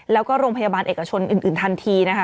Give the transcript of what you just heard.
แล้วก็โรงพยาบาลเอกชนอื่นทันทีนะคะ